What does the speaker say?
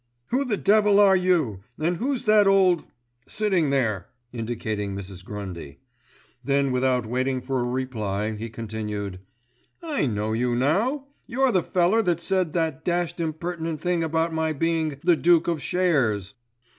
"Who the devil are you, and who's that old —— sitting there?"—indicating Mrs. Grundy. Then without waiting for a reply, he continued: "I know you now: you're the feller that said that dashed impertinent thing about my being the Duke of Shares."